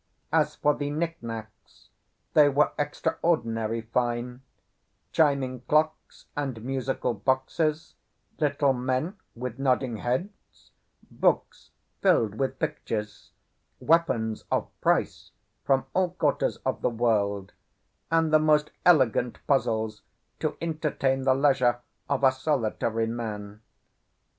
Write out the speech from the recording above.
As for the knick knacks, they were extraordinary fine; chiming clocks and musical boxes, little men with nodding heads, books filled with pictures, weapons of price from all quarters of the world, and the most elegant puzzles to entertain the leisure of a solitary man.